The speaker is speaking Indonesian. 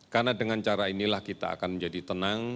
karena dengan cara inilah kita akan menjadi tenang